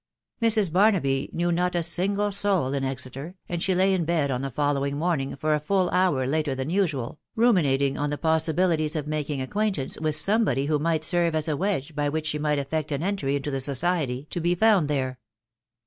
Mrs. Barnaby knew not a single soul in Exeter, and she lay in bed on the following morning for a full hour later than usual, ruminating on the possibilities of making .acquaintance with somebody who might serve as a wedge by which she might effect an entry into the society to be found there.